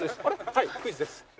はいクイズです。